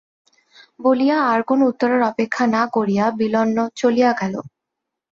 বলিয়া আর কোনো উত্তরের অপেক্ষা না করিয়া বিল্বন চলিয়া গেলেন।